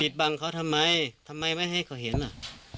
บังเขาทำไมทำไมไม่ให้เขาเห็นอ่ะ